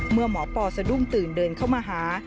เมื่อหมอปอร์สะดุ้งตื่นเดินเข้ามาหา